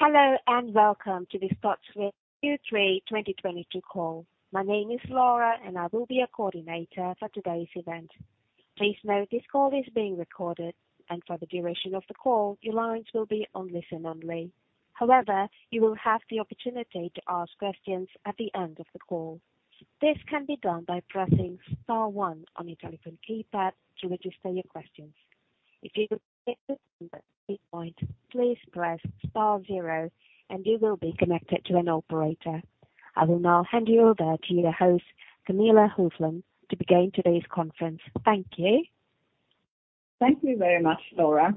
Hello and welcome to the Studsvik Q3 2022 call. My name is Laura, and I will be your coordinator for today's event. Please note this call is being recorded, and for the duration of the call, your lines will be on listen only. However, you will have the opportunity to ask questions at the end of the call. This can be done by pressing star one on your telephone keypad to register your questions. If at any point, please press star zero and you will be connected to an operator. I will now hand you over to your host, Camilla Hoflund, to begin today's conference. Thank you. Thank you very much, Laura.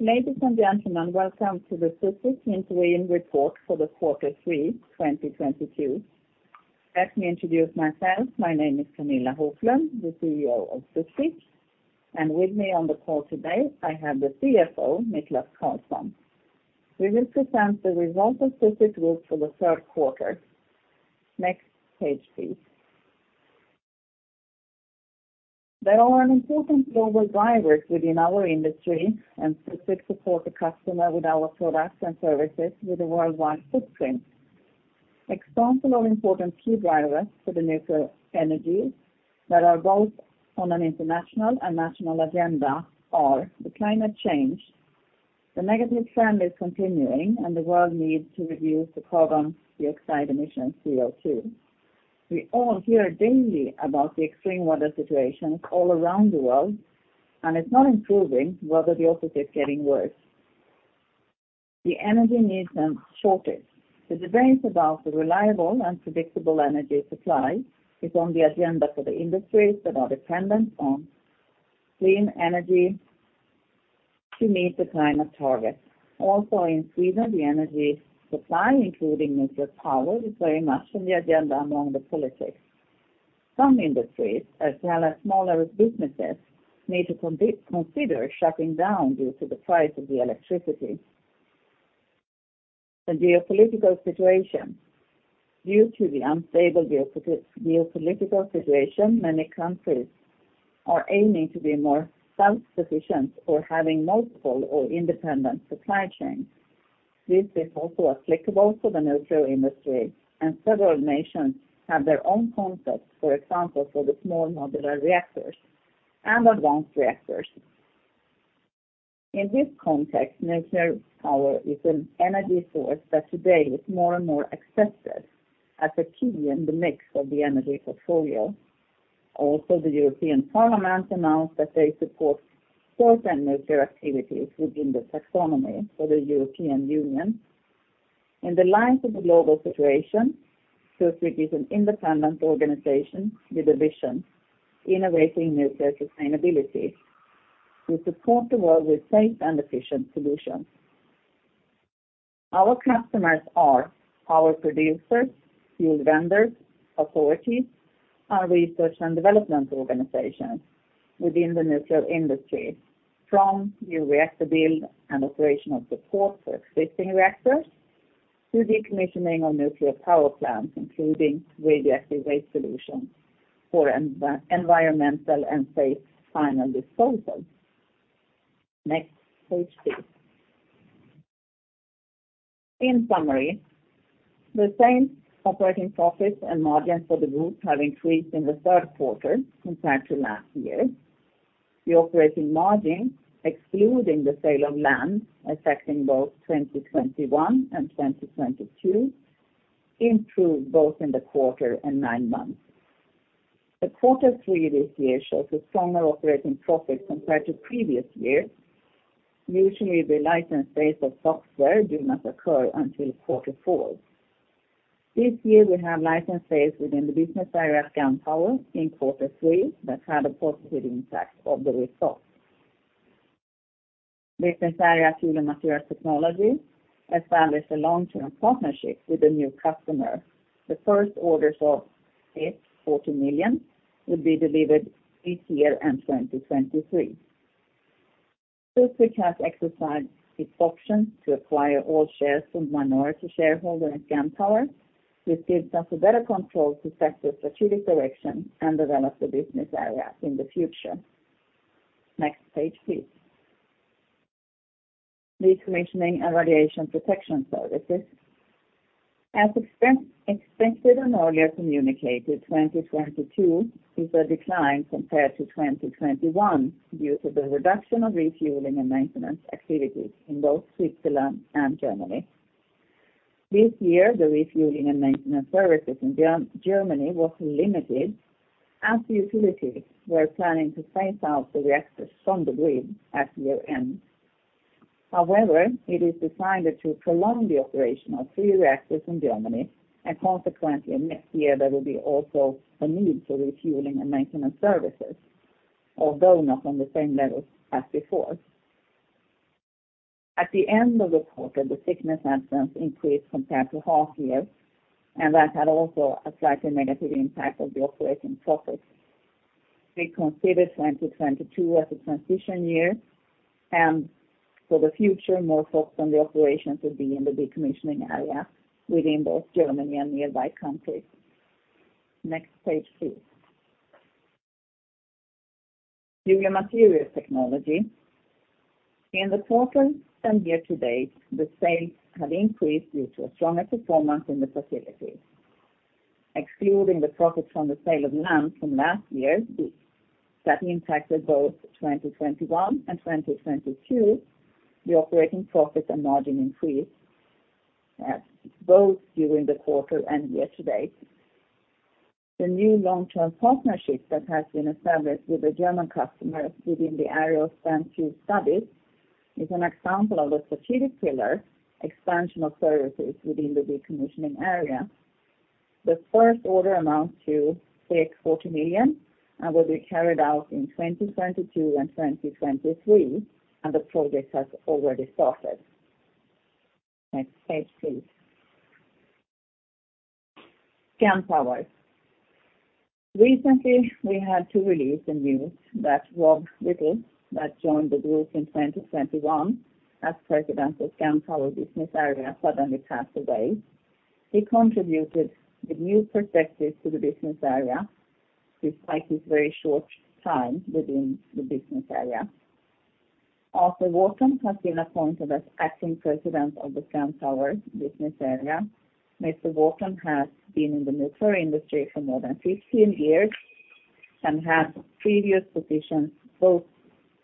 Ladies and gentlemen, welcome to the Studsvik interim report for the third quarter 2022. Let me introduce myself. My name is Camilla Hoflund, the CEO of Studsvik, and with me on the call today, I have the CFO, Niklas Karlsson. We will present the result of Studsvik Group for the third quarter. Next page, please. There are important global drivers within our industry, and Studsvik supports the customer with our products and services with a worldwide footprint. Example of important key drivers for the nuclear energy that are both on an international and national agenda are the climate change. The negative trend is continuing and the world needs to reduce the carbon dioxide emissions, CO2. We all hear daily about the extreme weather situations all around the world, and it's not improving, rather the opposite, it's getting worse. The energy needs and shortage. The debates about the reliable and predictable energy supply is on the agenda for the industries that are dependent on clean energy to meet the climate targets. Also in Sweden, the energy supply, including nuclear power, is very much on the agenda among the politics. Some industries, as well as smaller businesses, may consider shutting down due to the price of the electricity. The geopolitical situation. Due to the unstable geopolitical situation, many countries are aiming to be more self-sufficient or having multiple or independent supply chains. This is also applicable to the nuclear industry and several nations have their own concepts, for example, for the small modular reactors and advanced reactors. In this context, nuclear power is an energy source that today is more and more accepted as a key in the mix of the energy portfolio. Also, the European Parliament announced that they support certain nuclear activities within the taxonomy for the European Union. In the light of the global situation, Studsvik is an independent organization with a vision innovating nuclear sustainability. We support the world with safe and efficient solutions. Our customers are power producers, fuel vendors, authorities, and research and development organizations within the nuclear industry, from new reactor build and operational support for existing reactors to decommissioning of nuclear power plants, including radioactive waste solutions for environmental and safe final disposal. Next page, please. In summary, the same operating profits and margins for the group have increased in the third quarter compared to last year. The operating margin, excluding the sale of land, affecting both 2021 and 2022, improved both in the quarter and nine months. The quarter three this year shows a stronger operating profit compared to previous years. Usually, the license fees of Studsvik do not occur until quarter four. This year, we have license fees within the business area, Scandpower, in quarter three that had a positive impact on the result. Business area, Fuel and Materials Technology, established a long-term partnership with a new customer. The first orders of it, 40 million, will be delivered this year and 2023. Studsvik has exercised its option to acquire all shares from minority shareholder at Scandpower. This gives us a better control to set the strategic direction and develop the business area in the future. Next page, please. Decommissioning and Radiation Protection Services. As expected and earlier communicated, 2022 is a decline compared to 2021 due to the reduction of refueling and maintenance activities in both Switzerland and Germany. This year, the refueling and maintenance services in Germany were limited as the utilities were planning to phase out the reactors from the grid at year-end. However, it is decided to prolong the operation of three reactors in Germany, and consequently, next year there will be also a need for refueling and maintenance services, although not on the same level as before. At the end of the quarter, the sickness absence increased compared to half year, and that had also a slightly negative impact of the operating profits. We consider 2022 as a transition year and for the future, more focus on the operations will be in the decommissioning area within both Germany and nearby countries. Next page, please. Fuel and Materials Technology. In the quarter and year to date, the sales have increased due to a stronger performance in the facilities. Excluding the profits from the sale of land from last year, that impacted both 2021 and 2022, the operating profits and margin increased both during the quarter and year to date. The new long-term partnership that has been established with the German customers within the material standpoint studies is an example of a strategic pillar expansion of services within the decommissioning area. The first order amounts to 640 million and will be carried out in 2022 and 2023, and the project has already started. Next page, please. Scandpower. Recently, we had to release the news that Rob Whittle, that joined the group in 2021 as president of Scandpower business area, suddenly passed away. He contributed with new perspectives to the business area, despite his very short time within the business area. Art Wharton has been appointed as acting president of the Scandpower business area. Mr. Wharton has been in the nuclear industry for more than 15 years and has previous positions both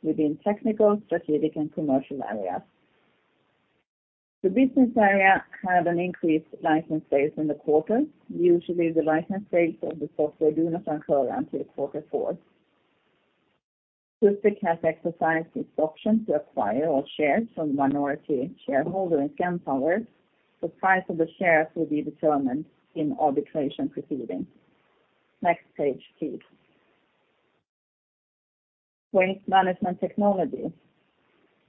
within technical, strategic, and commercial areas. The business area had an increased license base in the quarter. Usually, the license base of the software do not occur until quarter four. Studsvik has exercised its option to acquire all shares from minority shareholder in Scandpower. The price of the shares will be determined in arbitration proceedings. Next page, please. Waste Management Technology.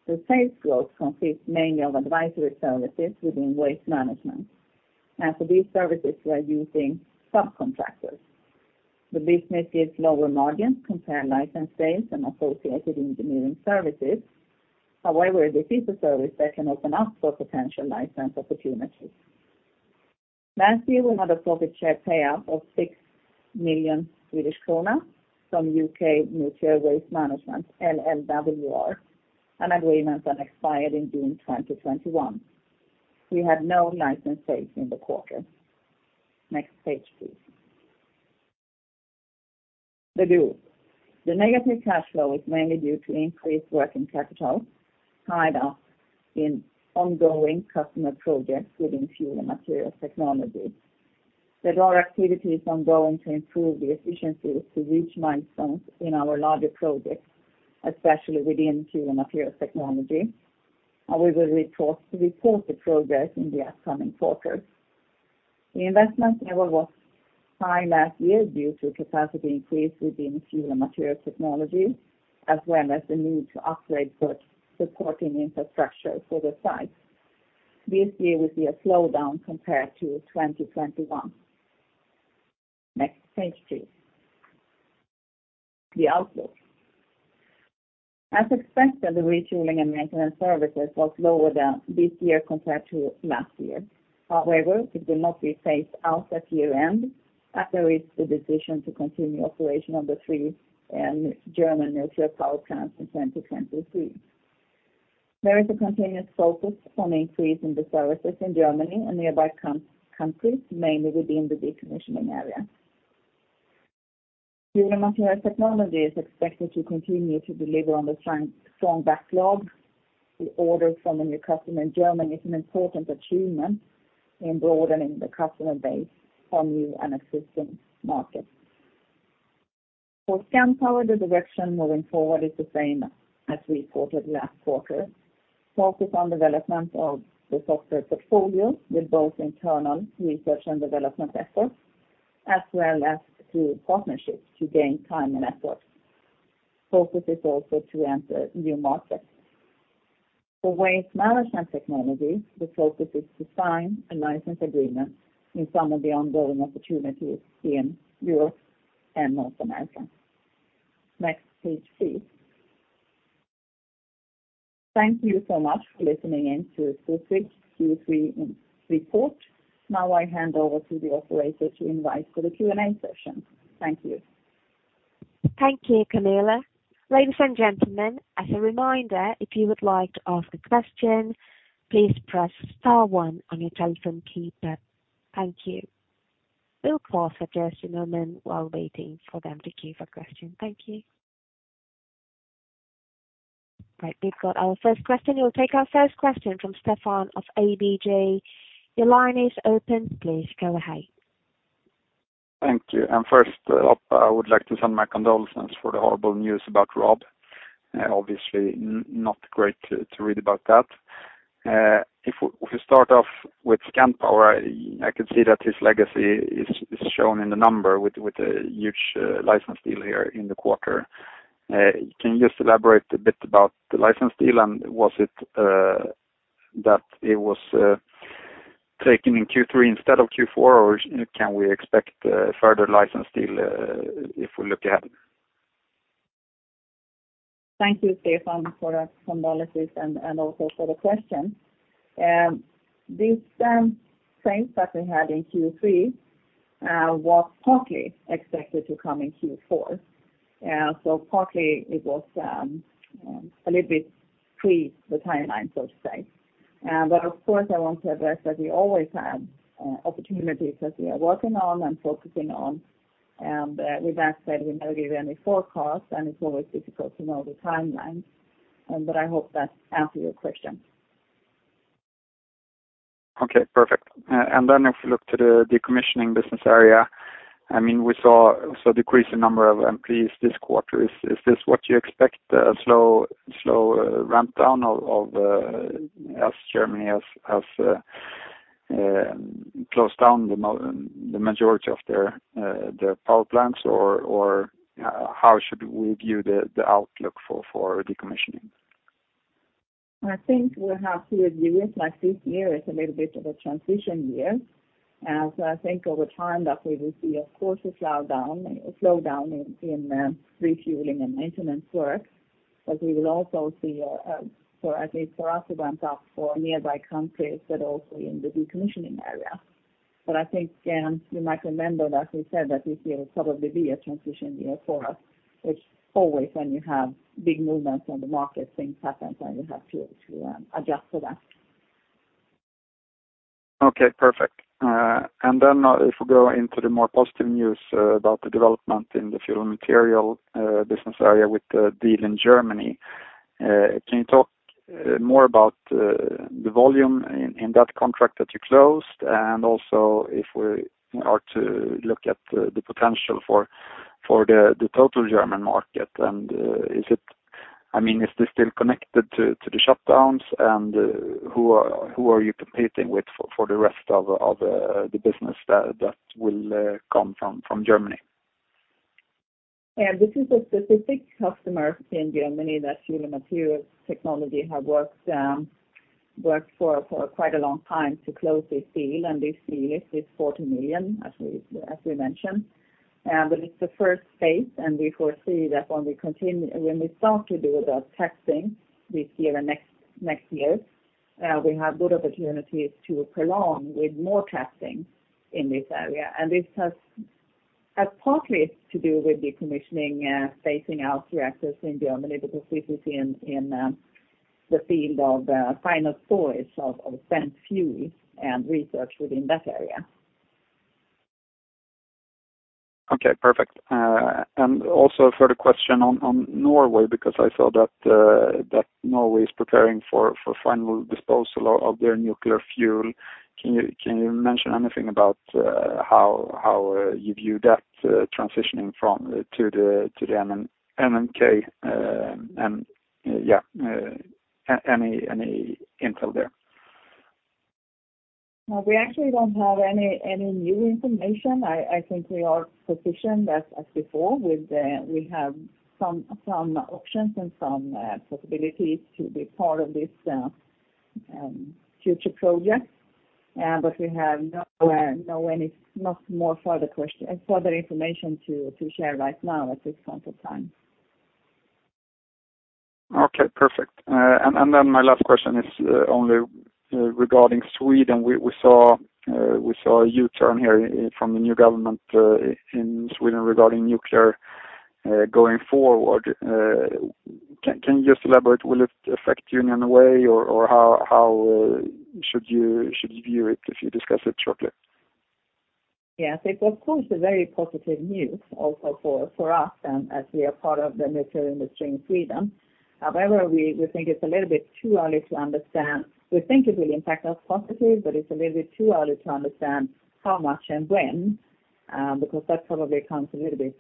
The sales growth consists mainly of advisory services within waste management. As for these services, we are using subcontractors. The business gives lower margins compared license sales and associated engineering services. However, this is a service that can open up for potential license opportunities. Last year, we had a profit share payout of 6 million Swedish kronor from UK Nuclear Waste Management, LLW Repository, an agreement that expired in June 2021. We had no license sales in the quarter. Next page, please. The group. The negative cash flow is mainly due to increased working capital, tied up in ongoing customer projects within Fuel and Materials Technology. There are activities ongoing to improve the efficiency to reach milestones in our larger projects, especially within Fuel and Materials Technology. We will report the progress in the upcoming quarters. The investment level was high last year due to capacity increase within Fuel and Materials Technology, as well as the need to upgrade good supporting infrastructure for the sites. This year will see a slowdown compared to 2021. Next page, please. The outlook. As expected, the refueling and maintenance services was lower down this year compared to last year. However, it will not be phased out at year-end after the decision to continue operation of the 3 German nuclear power plants in 2023. There is a continuous focus on increasing the services in Germany and nearby countries, mainly within the decommissioning area. Fuel and Materials Technology is expected to continue to deliver on the strong backlog. The order from a new customer in Germany is an important achievement in broadening the customer base for new and existing markets. For Scandpower, the direction moving forward is the same as reported last quarter. Focus on development of the software portfolio with both internal research and development efforts, as well as through partnerships to gain time and effort. Focus is also to enter new markets. For Waste Management Technology, the focus is to sign a license agreement in some of theongoing opportunities in Europe and North America. Next page, please. Thank you so much for listening in to Studsvik Q3 report. Now I hand over to the operator to invite for the Q&A session. Thank you. Thank you, Camilla. Ladies and gentlemen, as a reminder, if you would like to ask a question, please press star one on your telephone keypad. Thank you. We'll pause for just a moment while waiting for them to queue for question. Thank you. Right. We've got our first question. We'll take our first question from Stefan of ABG. Your line is open, please go ahead. Thank you. First, I would like to send my condolences for the horrible news about Rob. Obviously not great to read about that. If we start off with Scandpower, I can see that his legacy is shown in the number with a huge license deal here in the quarter. Can you just elaborate a bit about the license deal, and was it that it was taken in Q3 instead of Q4, or can we expect further license deal if we look ahead? Thank you, Stefan, for that analysis and also for the question. The same strength that we had in Q3 was partly expected to come in Q4. Partly it was a little bit ahead of the timeline, so to speak. But of course, I want to address that we always have opportunities as we are working on and focusing on. With that said, we never give any forecast, and it's always difficult to know the timelines, but I hope that answer your question. Okay, perfect. If you look to the decommissioning business area, I mean, we saw a decrease in number of employees this quarter. Is this what you expect, a slow ramp down as Germany has closed down the majority of their power plants? Or how should we view the outlook for decommissioning? I think we have to agree with like this year is a little bit of a transition year. I think over time that we will see of course a slow down in refueling and maintenance work. We will also see, for at least for us, a ramp up for nearby countries, but also in the decommissioning area. I think you might remember that we said that this year will probably be a transition year for us. It's always when you have big movements on the market, things happen, and you have to adjust to that. Okay, perfect. If we go into the more positive news about the development in the fuel material business area with the deal in Germany, can you talk more about the volume in that contract that you closed? Also, if we are to look at the potential for the total German market, and, is it? I mean, is this still connected to the shutdowns, and, who are you competing with for the rest of the business that will come from Germany? Yeah. This is a specific customer in Germany that Fuel and Materials Technology have worked for quite a long time to close this deal, and this deal is 40 million, as we mentioned. But it's the first phase, and we foresee that when we start to do the testing this year and next year, we have good opportunities to prolong with more testing in this area. This has partly to do with decommissioning, phasing out reactors in Germany because this is in the field of final disposal of spent fuel and research within that area. Okay, perfect. A further question on Norway, because I saw that Norway is preparing for final disposal of their nuclear fuel. Can you mention anything about how you view that transitioning from to the MNK, and any info there? No, we actually don't have any new information. I think we are positioned as before, we have some options and some possibilities to be part of this future project. But we have no any further information to share right now at this point of time. Okay, perfect. My last question is only regarding Sweden. We saw a U-turn here from the new government in Sweden regarding nuclear going forward. Can you just elaborate? Will it affect you in a way or how should you view it if you discuss it shortly? Yes. It's of course a very positive news also for us as we are part of the nuclear industry in Sweden. However, we think it's a little bit too early to understand. We think it will impact us positive, but it's a little bit too early to understand how much and when, because that probably comes a little bit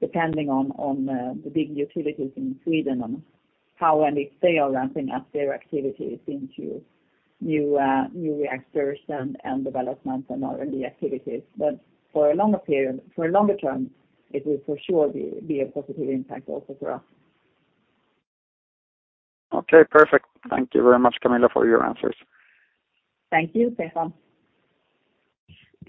depending on the big utilities in Sweden on how and if they are ramping up their activities into new reactors and developments and R&D activities. For a longer period, for a longer term, it will for sure be a positive impact also for us. Okay, perfect. Thank you very much, Camilla, for your answers. Thank you, Stefan.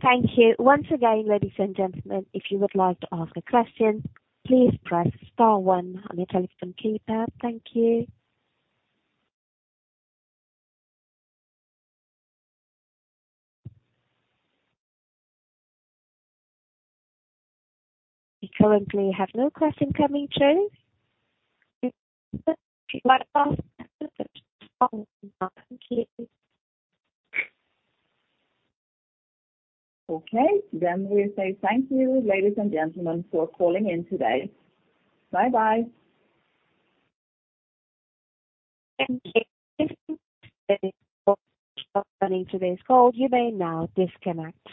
Thank you. Once again, ladies and gentlemen, if you would like to ask a question, please press star one on your telephone keypad. Thank you. We currently have no question coming through. If you'd like to ask a question, press star one. Thank you. Okay. We say thank you, ladies and gentlemen, for calling in today. Bye-bye. Thank you. Thanks for joining today's call. You may now disconnect.